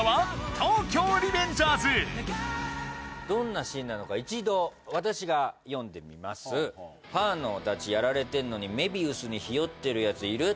今回どんなシーンなのか一度私が読んでみます「パーの親友やられてんのに愛美愛主に日和ってる奴いる？」